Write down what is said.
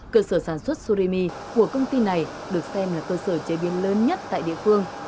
cơ sở sản xuất sorimi của công ty này được xem là cơ sở chế biến lớn nhất tại địa phương